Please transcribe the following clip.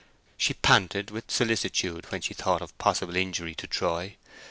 She panted with solicitude when she thought of possible injury to Troy.